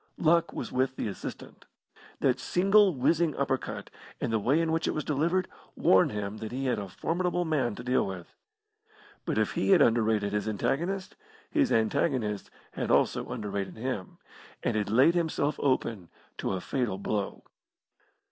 Luck was with the assistant. That single whizzing uppercut, and the way in which it was delivered, warned him that he had a formidable man to deal with. But if he had underrated his antagonist, his antagonist had also underrated him, and had laid himself open to a fatal blow.